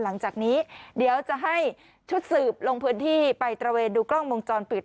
หลังจากนี้เดี๋ยวจะให้ชุดสืบลงพื้นที่ไปตระเวนดูกล้องวงจรปิด